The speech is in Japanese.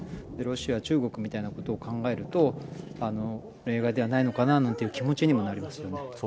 ロシア、中国みたいなことを考えると例外ではないのかなという気持ちにもなりますよね。